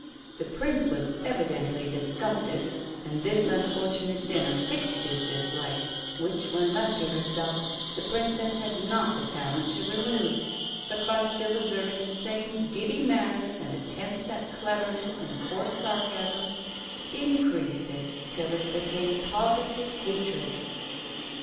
The Prince was evidently disgusted, and this unfortunate dinner fixed his dislike, which, when left to herself, the Princess had not the talent to remove; but by still observing the same giddy manners and attempts at cleverness and coarse sarcasm, increased it till it became positive hatred."